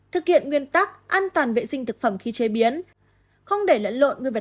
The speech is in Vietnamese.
thực hiện nguyên tắc an toàn vệ sinh thực phẩm khi chế biến